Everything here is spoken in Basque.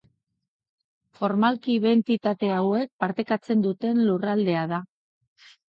Formalki bi entitate hauek partekatzen duten lurraldea da.